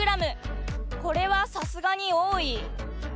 これはさすがに多い？